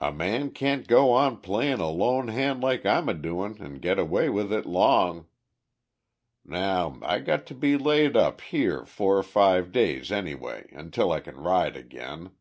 A man can't go on playin' a lone han' like I'm adoin' an' get away with it long. Now, I got to be laid up here four or five days, anyway, until I can ride again.